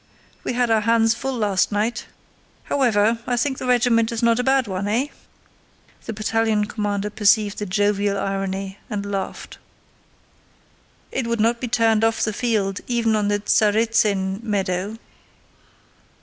"We had our hands full last night. However, I think the regiment is not a bad one, eh?" The battalion commander perceived the jovial irony and laughed. "It would not be turned off the field even on the Tsarítsin Meadow."